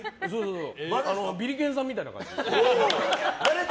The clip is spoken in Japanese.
ビリケンさんみたいな感じ。